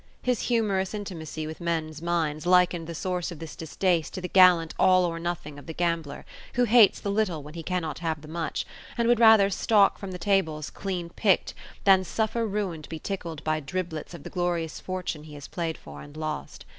His humourous intimacy with men's minds likened the source of this distaste to the gallant all or nothing of the gambler, who hates the little when he cannot have the much, and would rather stalk from the tables clean picked than suffer ruin to be tickled by driblets of the glorious fortune he has played for and lost.